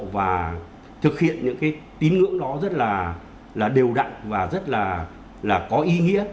và thực hiện những cái tín ngưỡng đó rất là đều đặn và rất là có ý nghĩa